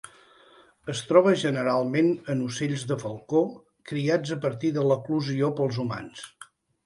Es troba generalment en ocells de falcó criats a partir de l'eclosió pels humans.